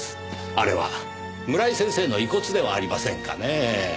あれは村井先生の遺骨ではありませんかねぇ。